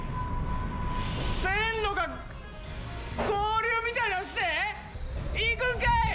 線路が合流みたいなのして、いくんかい！